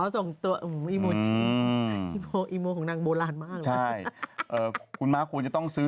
ส่งตัวอื้อหืออีโมอีโมของนางโบราณมากใช่เอ่อคุณม้าควรจะต้องซื้อ